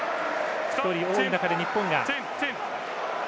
１人多い中で、日本が。